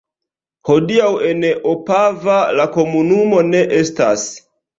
Hodiaŭ en Opava la komunumo ne estas.